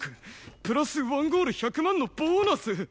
プラス１ゴール１００万のボーナス！？